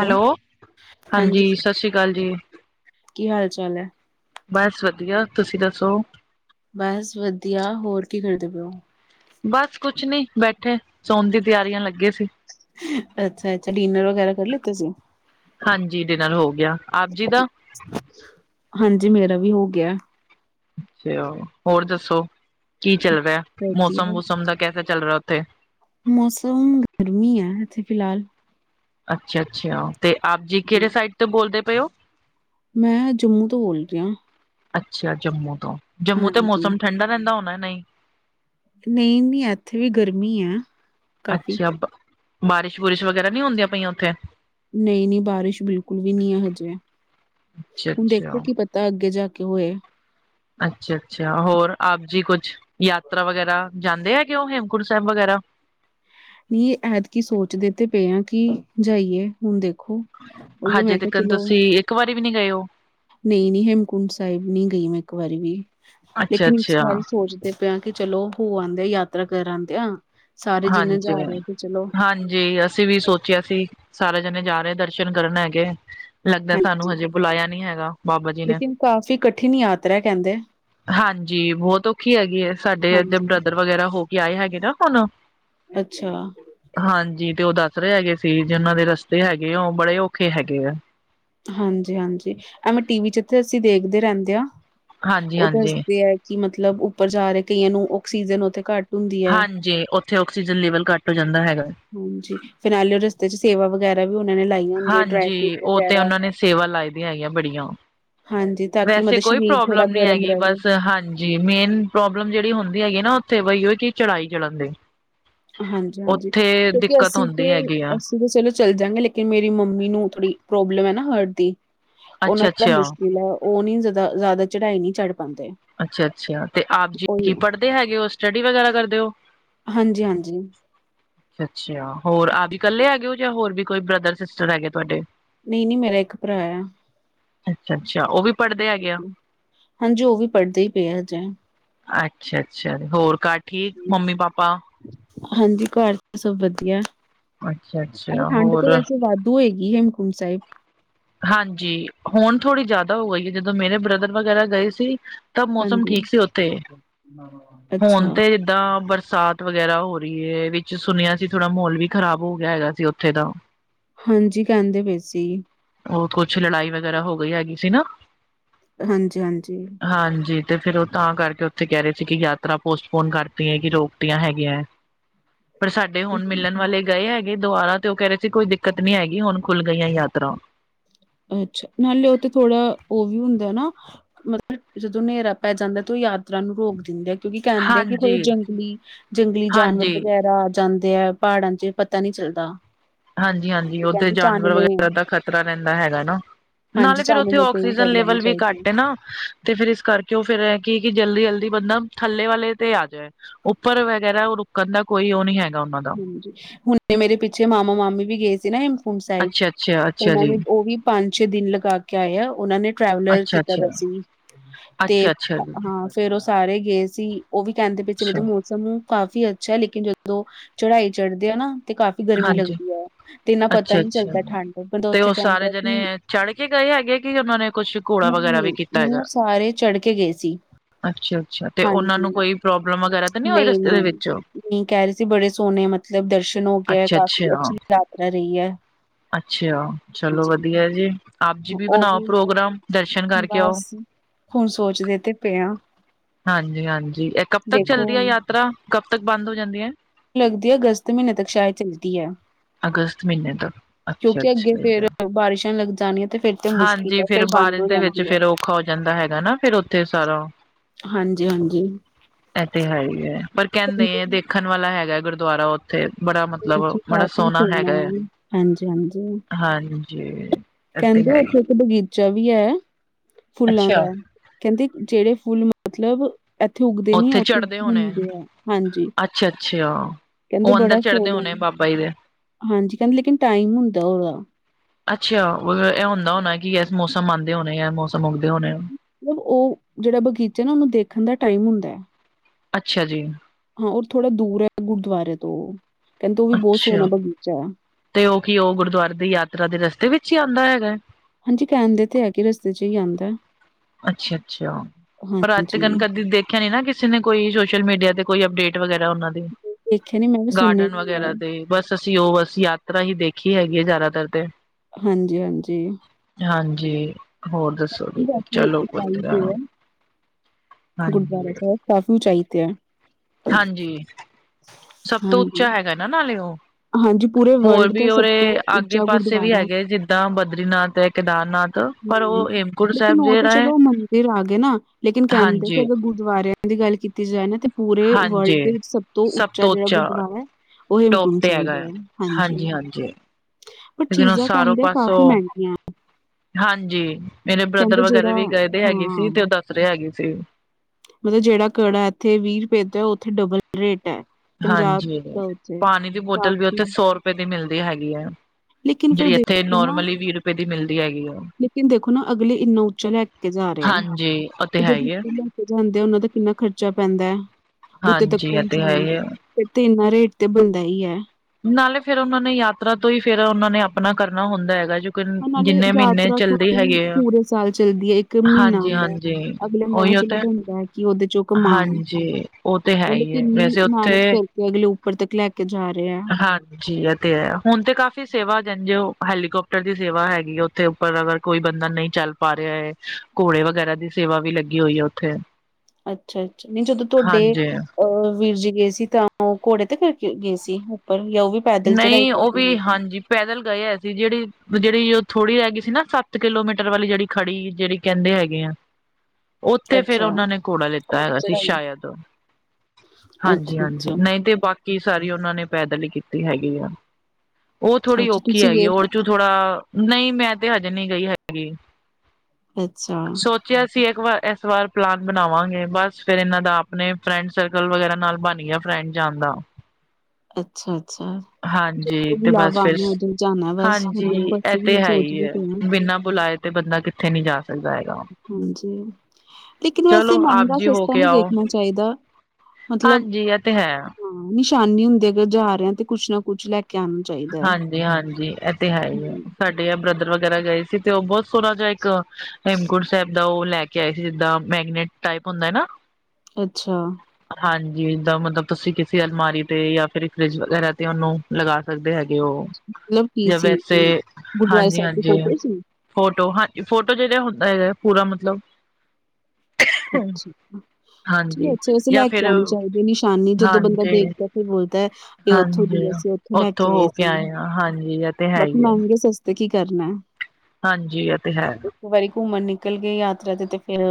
Hello. ਹਾਂਜੀ, ਸਤਿ ਸਸ ਸ੍ਰੀ ਸ਼੍ਰੀ ਕਾਲ ਅਕਾਲ ਜੀ। ਕੀ ਹਾਲ ਚਾਲ ਐ? ਬਸ ਵਧੀਆ। ਤੁਸੀ ਦੱਸੋ? ਬਸ ਵਧੀਆ। ਹੋਰ ਕੀ ਕਰਦੇ ਪੇ ਓ? ਬਸ ਕੁਛ ਨੀ। ਬੈਠੇ, ਸੋਨ ਦੀ ਤਿਆਰੀਆਂ ਲੱਗੇ ਸੀ। ਅੱਛਾ-ਅੱਛਾ। ਡਿਨਰ ਵਗੈਰਾ ਕਰ ਲਿੱਤਾ ਸੀ? ਹਾਂਜੀ, ਡਿਨਰ ਹੋ ਗਿਆ। ਆਪ ਜੀ ਦਾ? ਹਾਂਜੀ, ਮੇਰਾ ਵੀ ਹੋ ਗਿਆ। ਅੱਛਾ, ਹੋਰ ਦੱਸੋ, ਕੀ ਚੱਲ ਰਿਆ? ਮੌਸਮ ਵਧੀਆ ਮੁਸਮ ਦਾ ਕੈਸਾ ਚੱਲ ਰਾ ਓਥੇ? ਮੌਸਮ [unintelligible] ਗਰਮੀ ਐ ਏੱਥੇ ਫਿਲਹਾਲ। ਅੱਛਾ-ਅੱਛਾ, ਤੇ ਆਪ ਜੀ ਕੇੜੇ ਸਾਈਡ ਤੋਂ ਬੋਲਦੇ ਪਏ ਓ? ਮੈਂ, ਜੰਮੂ ਤੋਂ ਬੋਲ ਰਈ ਆਂ। ਅੱਛਾ, ਜੰਮੂ ਤੋਂ। ਜੰਮੂ ਤੇ ਹਾਂਜੀ ਮੌਸਮ ਠੰਡਾ ਰੈਂਦਾ ਹੋਨੈ, ਨਈ? ਨਈ-ਨਈ ਏੱਥੇ ਵੀ ਗਰਮੀ ਐਂ ਕਾਫੀ। ਬਾਰਿਸ਼ ਬੁਰਿਸ਼ ਵਗੈਰਾ ਨੀ ਹੁੰਦੀਆਂ ਪਈਆਂ ਓਥੇ? ਨਈ-ਨਈ ਬਾਰਿਸ਼ ਬਿਲਕੁਲ ਵੀ ਨੀ ਐਂ ਹਜੇ। ਹੁਨ ਦੇਖੋ ਅੱਛਾ-ਅੱਛਾ, ਕੀ ਪ ਤੈ ਅੱਗੇ ਜਾ ਕੇ ਹੋਏ। ਅੱਛਾ-ਅੱਛਾ, ਹੋਰ ਆਪ ਜੀ ਕੋਛ ਯਾਤਰਾ ਵਗੈਰਾ ਜਾਂਦੇ ਐ ਕਿ ਓ ਹੇਮਕੁੰਟ ਸੈਬ ਵਗੈਰਾ? ਨੀ ਐਤਕੀ ਸੋਚਦੇ ਤੇ ਪੇ ਆਂ ਕਿ ਜਾਈਏ। ਹੁਨ ਦੇਖੋ ਉਹੀਓ ਹਜੇ ਮੈਂ ਕਿਹਾ ਤਿਕਨ ਤੁਸੀ ਏੱਕ ਵਾਰੀ ਵੀ ਨੀ ਗਏ ਓ? ਨਈ-ਨਈ ਹੇਮਕੁੰਟ ਸਾਹਿਬ ਨੀ ਗਈ ਮੈਂ ਇੱਕ ਵਾਰੀ ਵੀ ਲੇਕਿਨ ਇਸ ਅੱਛਾ-ਅੱਛਾ, ਵਾਰੀ ਸੋਚਦੇ ਪੇ ਆਂ ਕਿ ਚਲੋ ਹੋ ਆਂਦੇ ਆ, ਯਾਤਰਾ ਕਰ ਆਂਦੇ ਆਂ। ਹਾਂਜ, ਹਾਂਜੀ ਅਸੀ ਵੀ ਸੋ ਚਿਆ ਸੀ ਸਾਰੇ ਜਨੇ ਜਾ ਰੇ ਦਰਸ਼ਨ ਕਰਨ ਹੈਗੇ ਲੱਗਦੈ ਹਾਂਜੀ ਸਾਨੂੰ ਹਜੇ ਬੁਲਾਇਆ ਨੀ ਹੈਗਾ ਬਾਬਾ ਜੀ ਨੇ। ਉਤਰਿਆ ਕੈਂਦੇ। ਹਾਂਜੀ ਬੋਤ ਔਖੀ ਹੈਗੀ ਐ ਸਾਡੇ ਐਦੇ ਹਾਂਜੀ। ਬ੍ਰਦਰ ਵਗੈਰਾ ਹੋ ਗਿਆ ਏ ਹੈਗੇ ਨਾ ਹੁਨ। ਅੱਛਾ। ਹਾਂਜੀ ਤੇ ਓ ਦੱਸ ਰੇ ਹੈਗੇ ਸੀ ਜਿੰਨਾਂ ਦੇ ਰਸਤੇ ਹੈਗੇ ਆ ਓ ਬੜੇ ਔਖੇ ਹੈਗੇ ਐ। ਹਾਂਜੀ-ਹਾਂਜੀ, ਐਵੇਂ ਟੀਵੀ ਜਿੱਥੇ ਅਸੀ ਦੇਖਦੇ ਰੈਂਦੇ ਆਂ ਓ ਹਾਂਜੀ-ਹਾਂਜੀ, ਹਾਂਜੀ ਦੱਸਦੇ ਐ। ਕਿ ਮਤਲਬ ਉੱਪਰ ਜਾ ਰੇ ਕਈਆਂ ਨੂੰ ਓਕਸੀਜਨ ਓਥੇ ਘੱਟ ਹੁੰਦੀ ਐ। ਹਾਂਜੀ ਓਥੇ ਓਕਸੀਜਨ ਲੇਵਲ ਘੱਟ ਹੋ ਜਾਂਦਾ ਹੈਗੈ। ਹਾਂਜੀ, ਫੇਰ ਹਾਲੇ ਰਸਤੇ 'ਚ ਸੇਵਾ ਵਗੈਰਾ ਵੀ ਓਨਾਂ ਨੇ ਲਾਈਆਂ ਹੁੰਦੀਐਂ ਡਰਾਈ ਫਰੂਟ ਹਾਂਜੀ, ਉਹ ਤੇ ਵਗੈਰਾ ਉਹਨਾਂ ਨੇ ਸੇਵਾ ਲਾਈ ਦੀਐ ਹੈਗੀਐਂ ਬੜੀਆਂ। ਹਾਂਜੀ ਤਾਂ ਕਿ ਵੈਸੇ ਮਤਲਬ ਕੋਈ ਸਰੀਰ ਥੋੜਾ ਪ੍ਰੋਬਲਮ ਨੀ ਗਰਮ ਹੈਗੀ ਰਵੇ। ਬਸ, ਹਾਂ ਜੀ ਮੇਨ ਪ੍ਰੋਬਲਮ ਜੜੀ ਹੁੰਦੀ ਹੈਗੀ ਏ ਨਾ ਓਥੇ ਬਈ ਅਈਯੋ ਕਿ ਚੜਾਈ ਚੜਨ ਦੀ। ਹਾਂਜੀ-ਹਾਂਜੀ ਉੱਥੇ ਕਿਓਂਕਿ ਦਿੱਕਤ ਅਸੀ ਹੁੰਦੀ ਤੇ ਹੈਗੀ ਆ ਅਸ ਤੇ ਫੇਰ ਚਲੋ ਚੱਲ ਜਾਂਗੇ ਲੇਕਿਨ ਮੇਰੀ ਮੰਮੀ ਨੂੰ ਥੋੜੀ ਪ੍ਰੋਬਲਮ ਐ ਨਾ ਹਰਟ ਦੀ। ਅੱਛਾ ਓਨਾਂ ਦਾ ਅੱਛਾ ਮੁਸ਼ਕਿਲ ਐ ਓ ਨੀ ਜ਼ਾਦਾ, ਜ਼ਿਆਦਾ ਚੜਾਈ ਨੀ ਚੜ ਪਾਂਦੇ। ਅੱਛਿਆ-ਅੱਛਿਆ ਤੇ ਆਪ ਜੀ ਕੀ ਪੜ੍ਹਦੇ ਹੈਗੇ ਓ, ਸਟਡੀ ਵਗੈਰਾ ਕਰਦੇ ਹੋ? ਹਾਂਜੀ-ਹਾਂਜੀ। ਅੱਛਿਆ ਹੋਰ ਆਪ ਇਕੱਲੇ ਹੈਗੇ ਓ ਜਾਂ ਹੋਰ ਵੀ ਕੋਈ ਬ੍ਰਦਰ ਸਿਸਟਰ ਹੈਗੇ ਤੁਹਾਡੇ? ਨਹੀਂ-ਨਹੀਂ ਮੇਰਾ ਇੱਕ ਭਰਾ ਐ। ਅੱਛਾ-ਅੱਛਾ, ਉਹ ਵੀ ਪੜ੍ਹਦੇ ਹੈਗੇ ਆ। ਹਾਂਜੀ। ਉਹ ਵੀ ਪੜ੍ਹਦੇ ਈ ਪਏ ਆ ਅਜੇ। ਅੱਛਾ-ਅੱਛਾ‌‌। ਹੋਰ ਘਰ ਠੀਕ ਮੰਮੀ-ਪਾਪਾ? ਹਾਂਜੀ ਘਰ ਤਾਂ ਸਭ ਵਧੀਆ ਅੱਛਾ ਐ। ਅੱਛਾ ਠੰਡ ਤੇ ਹੋਰ ਵੈਸੇ ਵੱਧ ਹੋਏਗੀ ਹੇਮਕੁੰਮ ਸਾਹਿਬ। ਹਾਂਜੀ‌ ਹੁਣ ਥੋੜ੍ਹੀ ਜਿਆਦਾ ਹੋ ਗਈ ਐਂ। ਜਦੋਂ ਮੇਰੇ ਬ੍ਰਦਰ ਵਗੈਰਾ ਗਏ ਸੀ ਤਾਂ ਮੌਸਮ ਹਾਂਜੀ ਠੀਕ ਸੀ ਉੱਥੇ। ਅੱਛਾ ਹੁਣ ਤੇ ਤਾਂ ਬਰਸਾਤ ਵਗੈਰਾ ਹੋ ਰਹੀ ਐ। ਵਿੱਚ ਸੁਣਿਆ ਸੀ ਥੋੜਾ ਮਾਹੌਲ ਵੀ ਖ਼ਰਾਬ ਹੋ ਗਿਆ ਹੈਗਾ ਸੀ ਉੱਥੇ ਦਾ ਹਾਂਜੀ ਕਹਿੰਦੇ ਪਏ ਸੀ। ਓ ਕੁਛ ਲੜਾਈ ਵਗੈਰਾ ਹੋ ਗਈ ਹੈਗੀ ਸੀ ਨਾ। ਹਾਂਜੀ-ਹਾਂਜੀ। ਹਾਂਜੀ ਤੇ ਫੇਿਰ ਓ ਤਾਂ ਕਰਕੇ ਉੱਥੇ ਕਹਿ ਰਹੇ ਸੀ ਕਿ ਯਾਤਰਾ ਪੋਸਟਪੋਨ ਕਰਤੀ ਐ ਕਿ ਰੋਕਤੀਆਂ ਹੈਗੀਆਂ ਐ। [inaudible] ਪਰ ਸਾਡੇ ਹੁਣ ਮਿਲਣ ਵਾਲੇ ਗਏ ਹੈਗੇ ਦੁਬਾਰਾ ਤੇ ਉਹ ਕਹਿ ਰਹੇ ਸੀ ਕੋਈ ਦਿੱਕਤ ਨੀ ਹੈਗੀ। ਹੁਣ ਖੁੱਲ ਗਈਆਂ ਯਾਤਰਾਂ। ਅੱਛਾ ਨਾਲੇ ਓ ਤੇ ਥੋੜਾ‌ ਓ ਵੀ ਹੁੰਦਾ ਨਾ ਮਤਲਬ ਜਦੋਂ ਨੇਰਾ ਪੈ ਜਾਂਦੈ ਤਾਂ ਉਹ ਯਾਤਰਾ ਨੂੰ ਰੋਕ ਦਿੰਦੇ ਆ। ਕਿਉਂਕਿ ਕਹਿੰਦੇ ਆ ਕਿ ਕੋਈ ਹਾਂਜੀ ਜੰਗਲੀ-ਜੰਗਲੀ ਜਾਨਵਰ ਹਾਂਜੀ ਵਗੈਰਾ ਜਾਂਦੇ ਐ ਪਹਾੜਾਂ ਚ ਪਤਾ ਨੀ ਚੱਲਦਾ। ਹਾਂਜੀ-ਹਾਂਜੀ। ਤੇ ਉੱਥੇ ਕਹਿੰਦੇ ਜਾਨਵਰ ਚਾਨਣੇ ਵਗੈਰਾ ਦਾ ਖ਼ਤਰਾ ਰਹਿੰਦਾ ਹੈਗਾ ਨਾ। ਹਾਂਜੀ ਨਾਲੇ ਫੇਰ ਉੱਥੇ ਚਾਨਣੇ ਤੇ ਹੀ ਆਕਸੀਜਨ ਕਰ ਲੈਣੀ ਲੇਵਲ ਵੀ ਚਾਹੀਦੀ ਹੈ ਘੱਟ ਏ ਨਾ। ਤੇ ਫੇਰ ਇਸ ਕਰਕੇ ਉਹ ਫੇਰ ਐ ਕੀ ਕਿ ਜਲਦੀ-ਜਲਦੀ ਬੰਦਾ ਥੱਲੇ ਵਾਲੇ ਤੇ ਆ ਜਾਏ। ਉੱਪਰ ਵਗੈਰਾ ਓ [unintelligible] ਕੋਈ ਓ ਨੀ ਹੈਗਾ ਉਹਨਾਂ ਹਾਂਜੀ। ਹੁਣ ਤੇ ਮੇਰੇ ਪਿੱਛੇ ਮਾਮਾ-ਮਾਮੀ ਵੀ ਗਏ ਸੀ ਨਾ ਹੇਮਕੁੰਟ ਸਾਹਿਬ। ਅੱਛਾ ਅੱਛਾ ਅੱਛਾ ਉਹਨਾਂ ਜੀ ਨੇ ਉਹ ਵੀ ਪੰਜ ਛੇ ਦਿਨ ਲਗਾ ਕੇ ਆਏ ਆ। ਉਹਨਾਂ ਨੇ ਟਰੈਵਲਰ ਅੱਛਾ ਕੀਤਾ ਅੱਛਾ ਦਾ ਸੀ ਤੇ ਅੱਛਾ ਅੱਛਾ ਜੀ ਹਾਂ ਫੇਰ ਉਹ ਸਾਰੇ ਗਏ ਸੀ। ਉਹ ਵੀ ਕਹਿੰਦੇ ਪਏ ਸੀ ਅੱਛਾ ਮਤਲਬ ਮੌਸਮ ਕਾਫ਼ੀ ਅੱਛੈ। ਲੇਕਿਨ ਜਦੋ ਚੜਾਈ ਚੜ੍ਹਦੇ ਆ ਨਾ। ਤੇ ਕਾਫ਼ੀ ਗਰਮੀ ਹਾਂਜੀ ਲੱਗਦੀ ਐ ਤੇ ਇੰਨਾ ਪਤਾ ਅੱਛਾ ਨੀ ਅੱਛਾ ਚੱਲਦਾ ਠੰਡ। ਬੰਦਾ ਤੇ ਉੱਥੇ ਉਹ ਸਾਰੇ ਕਹਿੰਦਾ ਜਣੇ ਕਿ ਚੜ੍ਹ ਕੇ ਗਏ ਹੈਗੇ ਕਿ ਉਹਨਾਂ ਨੇ ਕੁਛ ਘੋੜਾ ਵਗੈਰਾ ਨਹੀਂ ਵੀ ਕੀਤਾ ਨਹੀਂ ਹੈਗਾ। ਉਹ ਸਾਰੇ ਚੜ੍ਹ ਕੇ ਗਏ ਸੀ ਅੱਛ- ਅੱਛਾ, ਤੇ ਉਹਨਾਂ ਨੂੰ ਕੋਈ ਪ੍ਰੋਬਲਮ ਵਗੈਰਾ ਤਾਂ ਨਹੀਂ ਹੋਈ ਰਸਤੇ ਦੇ ਨਹੀਂ-ਨਹੀਂ। ਵਿੱਚ ਨਹੀਂ ਕਹਿ ਰਹੇ ਸੀ ਬੜੇ ਸੋਹਣੇ, ਮਤਲਬ ਦਰਸ਼ਨ ਹੋ ਗਿਆ ਕਾਫ਼ੀ ਅੱਛਾ-ਅੱਛਿਆ। ਅੱਛੀ ਯਾਤਰਾ ਰਹੀ ਹੈ ਅੱਛਿਆ ਚਲੋ ਹਾਂਜੀ ਵਧੀਆ ਜੀ। ਆਪ ਜੀ ਵੀ ਬਣਾਓ ਪ੍ਰੋਗਰਾਮ, ਦਰਸ਼ਨ ਕਰਕੇ ਆਓ। ਬਸ ਹੁਣ ਸੋਚਦੇ ਤੇ ਪਏ ਆ ਹਾਂਜੀ -ਹਾਂਜੀ। ਏਹ ਕਬ ਤੱਕ ਦੇਖੋ ਚੱਲਦੀ ਐ ਯਾਤਰਾ, ਕਬ ਤੱਕ ਬੰਦ ਹੋ ਜਾਂਦੀ ਐ? ਲੱਗਦੀ ਐ ਅਗਸਤ ਮਹੀਨੇ ਤੱਕ। ਸ਼ਾਇਦ ਚੱਲਦੀ ਐ। ਅਗਸਤ ਮਹੀਨੇ ਤੱਕ ਅੱਛਾ ਕਿਉਂਕਿ ਅੱਗੇ ਫੇਰ ਅੱਛਾ ਬਾਰਿਸ਼ਾਂ ਲੱਗ ਜਾਣੀਆਂ ਤੇ ਫੇਰ ਤੇ ਮੁਸ਼ਕਿਲ ਹਾਂਜੀ ਹੈ, ਫਿਰ ਫੇਰ ਬੰਦ ਬਾਰਿਸ਼ ਹੋ ਦੇ ਵਿੱਚ ਜਾਂਦੀ ਐ। ਫਿਰ ਔਖਾ ਹੋ ਜਾਂਦਾ ਹੈਗਾ ਨਾ ਫੇਰ ਉੱਥੇ ਸਾਰਾ। ਹਾਂਜੀ-ਹਾਂਜੀ। ਇਹ ਤੇ ਹੈ ਹੀ ਹੈ ਪਰ ਕਹਿੰਦੇ ਆ, ਦੇਖ। ਵੇਖਣ ਵਾਲਾ ਹੈਗਾ ਗੁਰਦੁਆਰਾ ਉਹ। ਉੱਥੇ ਬੜਾ ਮਤਲਬ ਬੜਾ ਕਾਫੀ ਸੋਹਣਾ ਹੈਗਾ ਆ, ਹੈ। ਹਾਂਜੀ-ਹਾਂਜੀ ਹਾਂਜੀ। ਤੇ ਕਹਿੰਦੇ ਹੈ ਹੀ ਉੱਥੇ ਇੱਕ ਬਗੀਚਾ ਵੀ ਐ, ਫੁੱਲਾਂ ਅੱਛਾ ਦਾ। ਕਹਿੰਦੇ ਜਿਹੜੇ ਫੁੱਲ ਮਤਲਬ ਇੱਥੇ ਉੱਗਦੇ ਨੀ ਆ, ਉੱਥੇ ਚੜ੍ਹਦੇ ਹੋਣੇ ਹੁੰਦੇ ਐ, ਹਾਂਜੀ। ਅੱਛਾ- ਅੱਛਾ। ਕਹਿੰਦੇ ਉਹ ਬੜਾ ਅੰਦਰ ਚੜ੍ਹਦੇ ਸੋਹਣਾ ਹੋਣੇ ਏ ਬਾਬਾ ਜੀ ਦੇ ਹਾਂਜੀ। ਕਹਿੰਦੇ ਲੇਕਿਨ ਟਾਈਮ ਹੁੰਦਾ ਉਹਦਾ। ਅੱਛਾ ਇਹ ਹੁੰਦਾ ਹੋਣਾ ਕਿ, ਏਸ ਮੌਸਮ ਆਂਦੇ ਹੋਣੇ ਐ, ਏ ਮੌਸਮ ਉੱਗਦੇ ਹੋਣੇ ਐ। ਉਹ ਜਿਹੜਾ ਬਗੀਚਾ ਨਾ, ਉਹਨੂੰ ਦੇਖਣ ਦਾ ਟਾਈਮ ਹੁੰਦਾ ਹੈ। ਅੱਛਾ ਜੀ। ਹਾਂ ਉਹ ਥੋੜਾ ਦੂਰ ਹੈ ਗੁਰਦੁਆਰੇ ਤੋਂ, ਕਹਿੰਦੇ ਵੀ ਬੋਤ ਸੋਹਣਾ ਅੱਛਾ ਬਗੀਚਾ ਐ। ਤੇ ਉ ਕੀ, ਉ ਗੁਰਦੁਆਰੇ ਦੀ ਯਾਤਰਾ ਦੇ ਰਸਤੇ ਵਿੱਚ ਹੀ ਆਂਦਾ ਹੈਗਾ। ਹਾਂਜੀ, ਕਹਿਣ ਦੇ ਤੇ ਹੈਗੇ ਰਸਤੇ ਚ ਹੀ ਆਂਦਾ ਏ। ਅੱਛਾ- ਅੱਛਾ ਪਰ ਅੱਜ ਹਾਂਜੀ, ਤਕਨ ਕਦੀ ਦੇ- ਦੇਖਿਆ ਨੀ ਨਾ, ਕਿਸੇ ਨੇ ਕੋਈ ਸੋਸ਼ਲ ਮੀਡੀਆ ਤੇ ਕੋਈ ਅਪਡੇਟ ਵਗੈਰਾ ਉਹਨਾਂ ਦੀ, ਦੇਖਿਆ ਨੀ ਮੈਂ ਵੀ ਸੁਣਿਆ ਗਾਰਡਨ ਵੀ ਵਗੈਰਾ। ਐ, ਤੇ ਬਸ ਅਸੀਂ ਉ ਬਸ ਯਾਤਰਾ ਹੀ ਦੇਖੀ ਹੈਗੀ ਹੈ ਜ਼ਿਆਦਾਤਰ ਤੇ। ਹਾਂਜੀ -ਹਾਂਜੀ। ਹਾਂਜੀ, ਹੋਰ ਦੱਸੋ? ਜੀ ਵੈਸੇ ਚਲੋ ਉਚਾਈ ਵਧੀਆ ਤੇ ਐ, ਗੁਰਦੁਆਰਾ ਹਾਂਜੀ ਸਾਹਿਬ ਕਾਫ਼ੀ ਉਚਾਈ ਤੇ ਐ। ਹਾਂਜੀ, ਸਭ ਤੋਂ ਹਾਂਜੀ। ਉੱਚਾ ਹੈਗਾ ਨਾ, ਨਾਲੇ ਉ। ਹਾਂਜੀ, ਪੂਰੇ ਹੋਰ ਵਰਲਡ ਦਾ ਵੀ ਸਭ ਉਰੇ ਤੋਂ ਆਗੇ ਉੱਚਾ ਪਾਸੇ ਵੀ ਗੁਰਦੁਆਰਾ ਹੈਗੇ ਜਿਨ- ਤਾ ਬਦਰੀਨਾਥ ਐ, ਕੇਦਾਰਨਾਥ, ਪਰ ਹੂੰ, ਉਹ ਹੇਮਕੂਂਟ ਲੇਕਿਨ ਸਾਹਿਬ। ਉਹ ਤੇ ਜਿਹੜਾ ਹੈ ਚਲੋ ਉ ਮੰਦਿਰ ਆ ਗਏ ਨਾ, ਲੇਕਿਨ ਕਹਿੰਦੇ ਕਿ ਹਾਂਜੀ ਅਗਰ ਗੁਰਦੁਆਰਿਆਂ ਦੀ ਗੱਲ ਕੀਤੀ ਜਾਏ ਨਾ, ਤੇ ਪੂਰੇ ਹਾਂਜੀ ਵਰਲਡ ਦੇ ਵਿੱਚ ਸਭ ਤੋਂ ਉੱਚਾ ਜਿਹੜਾ ਗੁਰਦੁਆਰਾ ਹੈ। ਉ ਟੋਪ ਹੇਮਕੁੰਟ ਤੇ ਸਾਹਿਬ ਹੈਗਾ ਹੈ, ਹਾਂਜੀ। ਪਰ ਲੇਕਿਨ ਉਹ ਚੀਜ਼ਾਂ ਸਾਰੋਂ ਕਹਦਾ ਏ ਕਾਫ਼ੀ ਪਾਸੋਂ ਮਹਿੰਗੀਆਂ। ਹਾਂਜੀ, ਮੇਰੇ ਬ੍ਰਦਰ ਕਹਿੰਦੇ ਵਗੈਰਾ ਵੀ ਜਿਹੜਾ ਗਏ ਤੇ ਹੈਗੇ ਸੀ, ਹਾਂ। ਤੇ ਉ ਦੱਸ ਰਹੇ ਹੈਗੇ ਸੀ। ਮਤਲਬ ਜਿਹੜਾ ਕੜਾ ਇੱਥੇ ਵੀਹ ਰੁਪਏ ਦਾ, ਉੱਥੇ ਡਬਲ ਰੇਟ ਐ। ਹਾਂਜੀ, ਉਦੋਂ ਪਾਣੀ ਦੀ ਬੋਤਲ ਵੀ ਕਾਫੀ ਉੱਥੇ ਸੌ ਰੁਪਏ ਦੀ ਮਿਲਦੀ ਹੈਗੀ ਹੈ। ਲੇਕਿਨ ਫਿਰ ਜਿਹੜੀ ਇੱਥੇ ਦੇਖੋ ਨਾ ਨੋਰਮਲੀ ਵੀਹ ਰੁਪਏ ਦੀ ਮਿਲਦੀ ਹੈਗੀ ਐਂ ਓ। ਲੇਕਿਨ ਦੇਖੋ ਨਾ ਅਗਲੇ ਇੰਨਾ ਉੱਚਾ ਲੈ ਕੇ ਜਾ ਰਿਹਾ ਹੈ, ਹਾਂਜੀ ਉਹ ਤੇ ਹੈ ਜਦ ਹੀ ਹੈ ਜਾਂਦੇ ਆ ਉਹਨਾਂ ਦਾ ਕਿੰਨਾ ਖਰਚਾ ਪੈਂਦਾ ਹੈ, ਉੱਥੇ ਤੱਕ ਹਾਂਜੀ ਇਹ ਤੇ ਪਹੁੰਚਾਣ ਹੈ ਲੈਨ ਹੀ ਦਾ, ਹੈ ਫੇਰ। ਤੇ ਇਨਾ ਰੇਟ ਤੇ ਬਣਦਾ ਈ ਐ। ਨਾਲੇ ਫੇਰ ਉਹਨਾਂ ਨੇ ਯਾਤਰਾ ਤੋਂ ਹੀ ਫੇਰ ਉਹਨਾਂ ਨੇ ਆਪਣਾ ਕਰਨਾ ਹੁੰਦਾ ਹੈਗਾ। ਕਿ ਓ ਨਾਲੇ ਜਿੰਨੇ ਮਹੀਨੇ ਯਾਤਰਾ ਚੱਲਦੇ ਕੇੜੇ ਹੈਗੇ ਆ ਪੂਰੇ ਸਾਲ ਚੱਲਦੀ ਐ, ਇੱਕ ਮਹੀਨਾ ਹਾਂਜੀ ਆਉਂਦਾ ਹੈ। ਹਾਂਜੀ ਅਗਲੇ ਮੈਂ ਵੀ ਉਹੀਓ ਤੇ ਚਲੋ ਗੁਣ ਹੈ ਕਿ ਉਹਦੇ ਚੋਂ ਕਮਾਣ, ਹਾਂਜੀ ਉਹ ਤੇ ਹੈ ਮਤਲਬ ਹੀ ਹੈ ਕਿੰਨੀ ਵੈਸੇ ਮਿਹਨਤ ਉੱਥੇ ਕਰ। ਤੇ ਅਗਲੇ ਉੱਪਰ ਤੱਕ ਲੈ ਕੇ ਜਾ ਰਹੇ ਐ। ਹਾਂਜੀ ਏ ਤੇ ਹੈ ਹੁਣ, ਤੇ ਕਾਫ਼ੀ ਸੇਵਾ ਦੇਂਦੇ ਓ ਹੈਲੀਕੋਪਟਰ ਦੀ ਸੇਵਾ ਹੈਗੀ ਆ, ਓ- ਥੇ ਉੱਪਰ ਅਗਰ ਕੋਈ ਬੰਦਾ ਨਹੀਂ ਚੱਲ ਪਾ ਰਿਹਾ ਐ। ਘੋੜੇ ਵਗੈਰਾ ਦੀ ਸੇਵਾ ਵੀ ਲੱਗੀ ਹੋਈ ਐ ਉੱਥੇ ਅੱਛਾ- ਅੱਛਾ ਨਈ ਜਦੋਂ ਤੁਹਾਡੇ ਹਾਂਜੀ ਅ ਵੀਰ ਜੀ ਗਏ ਸੀ ਤਾਂ ਓ ਘੋੜੇ ਤੇ ਕਰਕੇ ਗਏ ਸੀ ਉੱਪਰ ਜਾਂ ਓ ਵੀ, ਪੈਦਲ ਚੜ੍ਹਾਈ ਨਹੀਂ ਓ ਕਰਦੇ ਵੀ ਗਏ ਸੀ? ਹਾਂਜੀ ਪੈਦਲ ਗਏ ਐ ਸਹ ਜਿਹੜੀ ਜਿਹੜੀ ਉਹ ਥੋੜੀ ਰਹਿ ਗਈ ਸੀ ਨਾ ਸੱਤ ਕਿਲੋਮੀਟਰ ਵਾਲੀ ਜਿਹੜੀ ਖੜੀ ਜਿਹੜੀ ਕਹਿੰਦੇ ਹੈਗੇ ਆਂ ਹ ਉੱਥੇ ਫੇਰ ਉਹਨਾਂ ਨੇ ਘੋੜਾ ਲਿੱਤਾ ਹੈਗਾ ਸੀ ਚੜਾਈ ਸ਼ਾੲਦ ਹਾਂਜੀ- ਹਾਂਜੀ ਅੱਛਾ-ਅੱਛਾ, ਨਈ ਤੇ ਬਾ- ਕੀ ਸਾਰੀ ਉਹਨਾਂ ਨੇ ਪੈਦਲ ਹੀ ਕੀਤੀ ਹੈਗੀ ਆ। ਓ ਥੋੜੀ ਅੱਛਾ ਔਖੀ ਤੁਸੀਂ ਹੈਗੀ ਗਏ ਔ- ਤੇ ਉਹ ਥੋੜਾ, ਨਹੀਂ ਮੈਂ ਤੇ ਹਜੇ ਨੀ ਗਈ ਹੈਗੀ। ਅੱਛਾ। ਚਾਏ ਅਸੀਂ ਇੱਕ ਵਾਰ, ਇਸ ਵਾਰ ਪਲਾਣ ਬਣਾਵਾਂਗੇ। ਬਸ ਫੇਰ ਇਹਨਾਂ ਦਾ ਆਪਣੇ ਫਰੈਂਡਸ ਸ ਸਰਕਲ ਵਗੈਰਾ ਨਾਲ ਬਣ ਗਿਆ। ਫਰੈਂਡ ਜਾਣ ਦਾ ਅੱਛਾ-ਅੱਛਾ। ਹਾਂਜੀ ਤੇ ਬਸ ਬੁਲਾਵਾ ਫੇਰ, ਆਣਾ ਉਦੋਂ ਜਾਣਾ ਬਸ ਹੁਣ ਹਾਂਜੀ ਦੇਖੋ ਐ ਅਸੀਂ ਤੇ ਵੀ ਹੈ ਈ ਸੋਚਦੇ ਏ, ਪਏ ਆ। ਬਿਨਾਂ ਬੁਲਾਏ ਤੇ ਬੰਦਾ ਕਿੱਥੇ ਨੀ ਜਾ ਸਕਦਾ ਏ। ਹਾਂਜੀ, ਲੇਕਿਨ ਵੈਸੇ ਚਲੋ ਆਪ ਮਹਿੰਗਾ ਜੀ ਹੋ ਸਸਤਾ ਕੇ ਨਹੀਂ ਆਓ ਦੇਖਣਾ ਚਾਹੀਦਾ। ਮਤਲਬ ਹਾਂਜੀ, ਐ ਤੇ ਹੈ। ਹਾਂ ਨਿਸ਼ਾਨੀ ਹੁੰਦੀ ਅਗਰ ਜਾ ਰਿਹਾ ਤੇ ਕੁੱਛ ਨਾ ਕੁੱਛ ਲੈ ਕੇ ਆਂਣਾ। ਹਾਂਜੀ-ਹਾਂਜੀ, ਏਹ ਤੇ ਹੈ ਈ ਏ। ਹੂੰ, ਸਾਡੇ ਆ ਬ੍ਰਦਰ ਵਗੈਰਾ ਗਏ ਸੀ ਤੇ ਉਹ ਬਹੁਤ ਸੋਹਣਾ ਜਿਹਾ ਇੱਕ ਹੇਮਕੁੰਡ ਸਾਹਿਬ ਦਾ ਉਹ ਲੈ ਕੇ ਆਏ ਸੀ, ਜਿੱਦਾਂ ਮੈਗਨੇਟ ਟਾਈਪ ਹੁੰਦੈਂ ਨਾ। ਅੱਛਾ। ਹਾਂਜੀ, ਜਿਦਾਂ ਮਤਲਬ ਤੁਸੀਂ ਕਿਸੇ ਅਲਮਾਰੀ ਤੇ ਜਾਂ ਫਿਰ ਫਰਿਜ਼ ਵਗੈਰਾ ਤੇ ਉਹਨੂੰ ਲਗਾ ਸਕਦੇ ਹੈਗੇ ਓ। ਮਤਲਬ ਕੀ ਜਾਂ ਸੀ ਵੈਸੇ, ਗੁਰਦੁਆਰੇ ਸਾਹਿਬ ਦੀ ਹਾਂਜੀ-ਹਾਂਜੀ। ਫੋਟੋ ਸੀ? ਫ਼ੋਟੋ ਹਾਂ, ਫ਼ੋਟੋ ਜਿਹੜੇ ਹੁੰਦਾ ਹੈਗਾ, ਪੂਰਾ ਮਤਲਬ ਅੱਛਾ। ਹਾਂਜੀ ਚਲੋ ਅੱਛਾ, ਵੈਸੇ ਜਾਂ ਲੈ ਫਿਰ ਕੇ ਆਉਣੀ ਚਾਹੀਦੀ ਨਿਸ਼ਾਨੀ। ਜਦੋਂ ਬੰਦਾ ਹਾਂਜੀ ਦੇਖਦਾ ਫੇਰ ਬੋਲਦਾ ਏ ਉੱਥੋਂ ਦੀ ਹਾਂਜੀ ਐ, ਅਸੀ ਉੱਥੋਂ ਹੋ ਕੇ ਆਏ ਆ ਹਾਂਜੀ ਤੇ ਹੈ ਬਾਕੀ ਹੀ ਹੈ ਮਹਿੰਗੇ-ਸੱਸਤੇ ਕੀ ਕਰਨੈ। ਹਾਂਜੀ, ਉਹ ਤੇ ਹੈ ਵਾ। ਇੱਕ ਵਾਰੀ ਘੁੰਮਣ ਨਿਕਲ ਗਏ ਯਾਤਰਾ ਤੇ-ਤੇ ਫੇਰ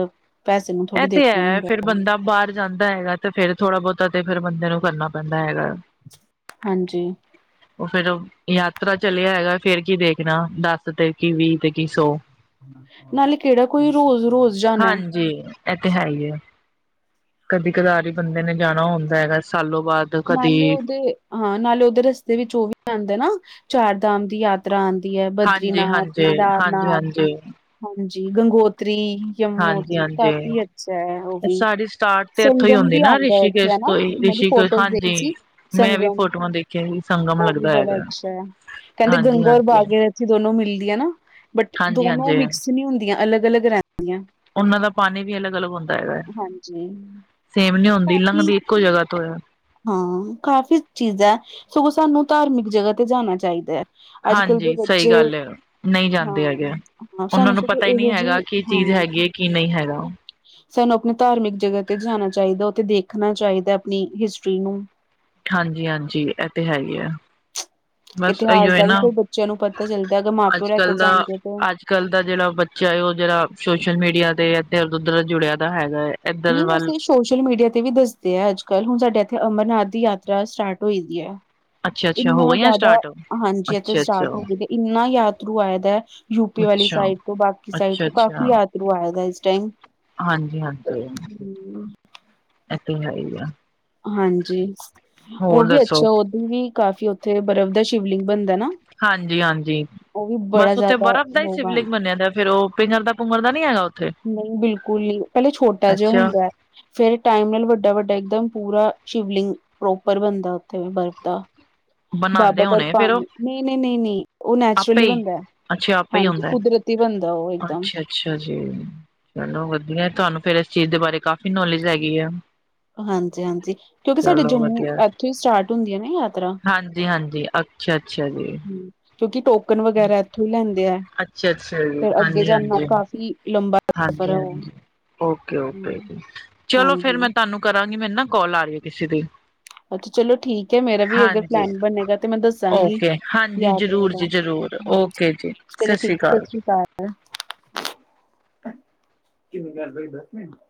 ਐਹ ਤੇ ਹੈ, ਫੇਰ ਬੰਦਾ ਬਾਰ ਜਾਂਦਾ ਹੈਗਾ ਤੇ ਫੇਰ ਥੋੜਾ ਬਹੁਤਾ ਤੇ ਫਿਰ ਬੰਦੇ ਨੂੰ ਕਰਨਾ ਪੈਂਦਾ ਹੈਗਾ। ਹਾਂਜੀ। ਉਹ ਫੇਰ ਉਹ ਯਾਤਰਾ ਚੱਲਿਆ ਹੈਗਾ, ਫੇਰ ਕੀ ਦੇਖਣਾ, ਦਸ ਤੇ ਕੀ ਵੀਹ ਤੇ ਕੀ ਸੌ। ਨਾਲੇ ਕਿਹੜਾ ਕੋਈ ਰੋਜ਼-ਰੋਜ਼ ਜਾਣਾ, ਹੈ, ਹਾਂਜੀ। ਐਹ ਤੇ ਹੈ ਈ ਐ। ਕਦੀ-ਕਦਾਰ ਈ ਬੰਦੇ ਨੇ ਜਾਣਾ ਹੁੰਦਾ ਹੈਗਾ, ਸਾਲੋ ਬਾਅਦ। ਕਦੀ ਨਾਲੇ ਉਹਦੇ ਹਾਂ, ਨਾਲੇ ਉਹਦੇ ਰਸਤੇ ਵਿੱਚ ਉਹ ਵੀ ਪੈਂਦਾ ਨਾ। ਚਾਰ-ਦਾਮ ਦੀ ਯਾਤ ਤਰਾਂ ਆਂਦੀ ਐ। ਹਾਂਜੀ ਬਦਰੀਨਾਥ, ਹਾਂਜੀ ਹਾਂਜੀ ਕੇਦਾਰਨਾਥ, ਹਾਂਜੀ ਹਾਂਜੀ ਗੰਗੋਤਰੀ ਜੰਮੂ ਹਾਂਜੀ ਹਾਂਜੀ ਕਾਫ਼ੀ ਅੱਛਾ ਐ ਓ ਵੀ। ਸਾਡੀ ਸਟਾਰਟ ਤੇ ਇੱਥੋਂ ਹੀ ਸੰਗਮ ਹੁੰਦੀ ਵੀ ਨਾ ਆਉਂਦਾ ਉੱਥੇ ਰਿਸ਼ੀਕੇਸ਼ ਹਨਾ। ਤੋਂ ਹੀ ਮਾਧੋ ਪੁਰ ਰਿਸ਼ੀਕੇਸ਼ ਉਹ ਗਏ ਤੇ ਹਾਂਜੀ ਸੀ ਮੈਂ ਵੀ ਸੰਗਮ। ਫੋਟੋਆਂ ਦੇਖੀਆਂ ਸੀ ਸੰਗਮ ਓ ਵੀ ਲੱਗਦਾ ਬੜਾ ਹੈਗਾ ਅੱਛਾ ਐ। ਕਹਿੰਦੇ ਹਾਂਜੀ ਗਂਗੋ ਰ ਹਾਂਜੀ ਬਾਗ ਗੇ ਦੋਨੋ ਮਿਲਦੀਆਂ ਨਾ‌। ਬਟ, ਹਾਂਜੀ ਦੋਨੋ ਹਾਂਜੀ ਮਿਕਸ ਨੀ ਹੁੰਦੀਆਂ। ਅਲੱਗ-ਅਲੱਗ ਰੇਂਦੀਆ ਉਹਨਾਂ ਦਾ ਪਾਣੀ ਵੀ ਅਲੱਗ-ਅਲੱਗ ਹੁੰਦਾ ਹੈਗਾ। ਹਾਂਜੀ। ਸੇਮ ਨੀ ਹੁੰਦੀ, ਕਾਫੀ ਲੰਘਦੀ ਇੱਕੋ ਜਗ੍ਹਾ ਤੋਂ ਐ। ਹਾਂ ਕਾਫ਼ੀ ਚੀਜ਼ਾਂ, ਸਗੋਂ ਸਾਨੂੰ ਧਾਰਮਿਕ ਜਗ੍ਹਾ ਤੇ ਜਾਣਾ ਚਾਹੀਦਾ ਐ। ਅੱਜ-ਕੱਲ ਦੇ ਹਾਂਜੀ ਸਹੀ ਬੱਚੇ ਗੱਲ ਐ। ਨਹੀਂ ਜਾਂਦੇ ਹਾਂ, ਹੈਗੇ, ਹਾਂ ਉਹਨਾਂ ਸਾਨੂੰ ਨੂੰ ਸਗੋਂ ਪਤਾ ਈ ਨੀ ਇਹੋ ਹੈਗਾ ਜਿਹੀ ਕੀ ਚੀਜ਼ ਹਾਂ ਹੈਗੀ ਏ, ਕੀ ਨਹੀਂ ਹੈਗਾ। ਸਾਨੂੰ ਆਪਣੀ ਧਾਰਮਿਕ ਜਗ੍ਹਾ ਤੇ ਜਾਣਾ ਚਾਹੀਦਾ। ਉੱਥੇ ਦੇਖਣਾ ਚਾਹੀਦਾ, ਆਪਣੀ ਹਿਸਟਰੀ ਨੂੰ। ਹਾਂਜੀ-ਹਾਂਜੀ, ਇਹ ਤੇ ਹੈ ਈ ਆ। ਇਤਿਹਾਸ ਦਾ ਵੀ ਫਿਰ ਬੱਚਿਆਂ ਨੂੰ ਪਤਾ ਚੱਲਦਾ, ਅਗਰ ਮਾਂ ਪਿਓ ਅੱਜ ਲੈ ਕੇ ਕੱਲ ਦਾ ਜਾਣਗੇ ਤੇ। ਅੱਜ ਕੱਲ੍ਹ ਦਾ ਜਿਹੜਾ ਬੱਚਾ ਏ, ਉਹ ਜਿਹੜਾ ਸੋਸ਼ਲ-ਮੀਡੀਆ ਤੇ ਐਧਰ-ਉਧਰ ਜੁੜਿਆ ਦਾ ਹੈਗਾ ਏ। ਨੀ ਹੋਸਟਿਸ ਸੋਸ਼ਲ ਮੀਡੀਆ ਤੇ ਵੀ ਦੱਸਦੇ ਆ, ਅੱਜ ਕੱਲ੍ਹ ਹੁਣ ਸਾਡੇ ਇੱਥੇ ਅਮਰਨਾਥ ਦੀ ਯਾਤਰਾ ਸਟਾਰਟ ਹੋਈ ਦੀ ਐ। ਅੱਛਾ ਅੱਛਾ ਹੋ ਇੰਨਾ ਗਈਆਂ ਜ਼ਿਆਦਾ ਸਟਾਰਟ ਹਾਂਜੀ, ਇਥੇ ਅੱਛਾ ਅੱਛਾ ਸਟਾਰਟ ਹੋ ਗਏ ਇੰਨਾ ਯਾਤਰੂ ਆਇਆ ਦਾ ਯੂਪੀ ਵਾਲੀ ਅੱਛਾ ਸਾਈਡ ਤੋਂ, ਬਾਕੀ ਸਾਈਡ ਅੱਛਾ ਤੋਂ, ਕਾਫ਼ੀ ਯਾਤਰੂ ਆਇਆ ਦਾ ਇਸ ਟਾਈਮ‌‌। ਹਾਂਜੀ-ਹਾਂਜੀ। ਹਮ। ਐਤ ਹੈ ਗਿਆ। [unintelligible] ਹਾਂਜੀ, ਉਹ ਵੀ ਦੱਸੋ ਅੱਛਾ, ਉਂਜ ਵੀ ਕਾਫ਼ੀ ਉੱਥੇ ਬਰਫ਼ ਦਾ ਸ਼ਿਵਲਿੰਗ ਬਣਦਾ ਹੈ ਨਾ। ਹਾਂਜੀ-ਹਾਂਜੀ, ਉਹ ਵੀ ਬੜਾ ਬਸ ਉੱਥੇ ਜ਼ਿਆਦਾ ਬਰਫ਼ ਦਾ ਹੀ ਲੋਕ ਆ ਸ਼ਿਵਲਿੰਗ ਬਨਿਆ ਦਾ, ਫੇਰ ਉਹ ਪਿੰਘਰਦਾ ਪੂੰਗਰਦਾ ਦਾ ਨੀ ਹੈਗਾ ਉੱਥੇ ਨਹੀਂ ਬਿਲਕੁਲ ਨਹੀਂ, ਪਹਿਲੇ ਛੋਟਾ ਜਿਹਾ ਅੱਛਾ ਹੁੰਦਾ ਫੇਰ, ਟਾਈਮ ਨਾਲ ਵੱਡਾ- ਵੱਡਾ ਇਕਦਮ ਪੂਰਾ ਸ਼ਿਵਲਿੰਗ ਪ੍ਰੋਪਰ ਬਣਦਾ ਉੱਥੇ ਬਰਫ਼ ਦਾ। ਬਾਬਾ ਬਣਾਉਂਦੇ ਹੋਣੇ ਫੇਰ ਬਰਪਾਨ ਉਹ ਨਹੀਂ-ਨਹੀਂ-ਨਹੀਂ-ਨਹੀਂ ਉਹ ਨੈਚੁਰਲੀ ਆਪੇ ਹੀ ਬਣਦਾ। ਅੱਛਾ ਆਪੇ ਹੀ ਹਾਂਜੀ, ਹੁੰਦਾ ਕੁਦਰਤੀ ਬਣਦਾ ਉਹ ਇੱਕਦਮ। ਅੱਛਾ ਅੱਛਾ ਜੀ ਚਲੋ ਵਧੀਆ, ਤੁਹਾਨੂੰ ਫੇਰ ਇਸ ਚੀਜ਼ ਦੇ ਬਾਰੇ ਕਾਫ਼ੀ ਨੌਲੇਜ ਹੈਗੀ ਆ। ਹਾਂਜੀ-ਹਾਂਜੀ ਕਿਉਂਕਿ ਸਾਡੇ ਚਲੋ ਜੰਮੂ ਐਥੋਂ ਹੀ ਸਟਾਰਟ ਹੁੰਦੀ ਹੈ ਨਾ ਯਾਤਰਾ। ਹਾਂਜੀ-ਹਾਂਜੀ ਅੱਛਾ-ਅੱਛਾ ਜੀ। ਕਿਉਂਕਿ, ਟੋਕਨ ਵਗੈਰਾ ਇੱਥੋਂ ਹੀ ਲੈਂਦੇ ਆ। ਅੱਛਾ ਅੱਛਾ ਫਿਰ ਅੱਗੇ ਜਾਂਦਾ ਕਾਫ਼ੀ ਲੰਬਾ ਸਫ਼ਰ ਹੈ ਉਹ ਹਾਂਜੀ-ਹਾਂਜੀ ਹਮ, ਓਕੇ-ਓਕੇ ਜੀ, ਚਲੋ ਫੇਰ ਹਾਂਜੀ ਮੈਂ ਤੁਹਾਨੂੰ ਕਰਾਂਗੀ, ਮੈਨੂੰ ਨਾ ਕੋ। ਲ ਆ ਰਹੀ ਹੈ ਕਿਸੇ ਦੀ। ਅੱਛਾ ਚਲੋ ਠੀਕ ਹੈ, ਮੇਰਾ ਵੀ ਅਗਰ ਹਾਂਜੀ ਪਲੈਨ ਬਣੇਗਾ ਤੇ ਮੈਂ ਦੱਸਾਂਗੀ ਓਕੇ ਹਾਂਜੀ ਯਾਤਰਾ ਜ਼ਰੂਰ ਦਾ। ਜੀ ਜ਼ਰੂਰ ਓਕੇ ਜੀ ਚਲੋ ਠੀਕ ਸਤਿ ਅਕਾਲ ਸ਼੍ਰੀ ਅਕਾਲ। ਕਿ ਨਗਾ ਬਾਈ ਦੱਸ ਮ [unintelligible]